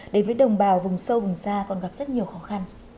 đến với đồng bào vùng sâu vùng xa còn gặp rất nhiều khó khăn